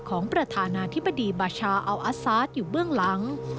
ของประธานาธิบดีบาชาอัลอาซาสอยู่เบื้องหลัง